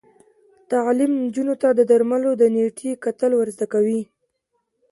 تعلیم نجونو ته د درملو د نیټې کتل ور زده کوي.